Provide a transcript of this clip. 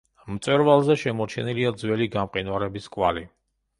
მწვერვალზე შემორჩენილია ძველი გამყინვარების კვალი.